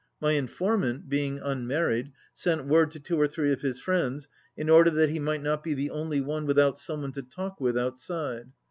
My informant, being unmarried, sent word to two or three of his friends, in order that he might not be the only one without some one to, talk with outside.